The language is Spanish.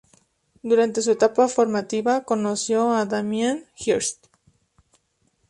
Durante su etapa formativa conoció a Damien Hirst.